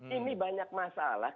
ini banyak masalah